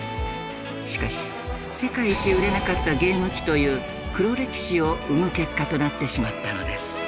しかし世界一売れなかったゲーム機という黒歴史を生む結果となってしまったのです。